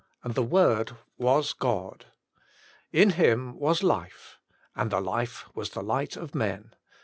And the Word was God. In Him was life. And the Life was the Light of men."